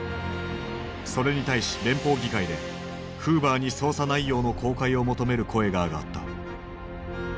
それに対し連邦議会でフーバーに捜査内容の公開を求める声が上がった。